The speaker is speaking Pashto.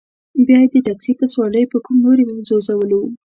بیا یې د تکسي په سورلۍ په کوم لوري ځوځولو.